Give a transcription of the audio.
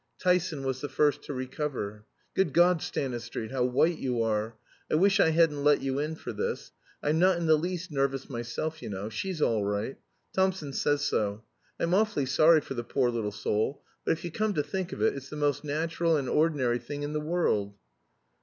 Tyson was the first to recover. "Good God, Stanistreet, how white you are! I wish I hadn't let you in for this. I'm not in the least nervous myself, you know. She's all right. Thompson says so. I'm awfully sorry for the poor little soul, but if you come to think of it, it's the most natural and ordinary thing in the world."